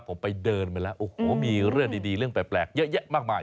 ผมไปเดินไปแล้วโอ้โหมีเรื่องดีเรื่องแปลกเยอะแยะมากมาย